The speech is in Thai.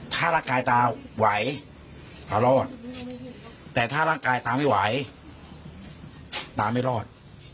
ถ้าร่างกายตาไหวตารอดแต่ถ้าร่างกายตาไม่ไหวตาไม่รอด